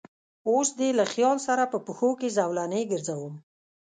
اوس دې له خیال سره په پښو کې زولنې ګرځوم